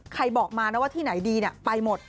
บอกมานะว่าที่ไหนดีไปหมด